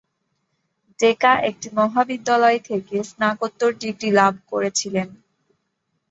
ডেকা একটি মহাবিদ্যালয় থেকে স্নাতকোত্তর ডিগ্রী লাভ করেছিলেন।